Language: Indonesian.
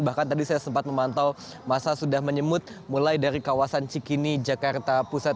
bahkan tadi saya sempat memantau masa sudah menyemut mulai dari kawasan cikini jakarta pusat